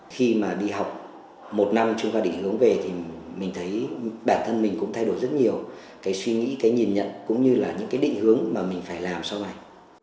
khi mà đi học một năm chưa có định hướng về thì mình thấy bản thân mình cũng thay đổi rất nhiều cái suy nghĩ cái nhìn nhận cũng như là những cái định hướng mà mình phải làm sau này